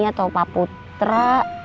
atau pak putra